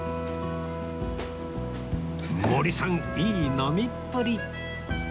森さんいい飲みっぷり！